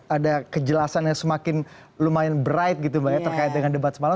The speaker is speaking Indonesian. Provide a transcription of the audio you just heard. ada kejelasan yang semakin lumayan bright gitu mbak ya terkait dengan debat semalam